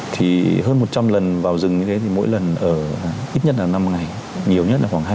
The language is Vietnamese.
thì hơn một trăm linh lần vào rừng như thế thì mỗi lần ở ít nhất là năm ngày nhiều nhất là khoảng hai mươi